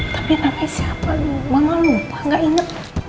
tapi namanya siapa tuh mama lupa gak inget